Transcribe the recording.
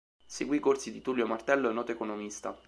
Seguì i corsi di Tullio Martello noto economista.